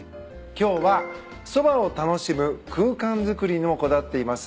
今日はそばを楽しむ空間づくりにもこだわっています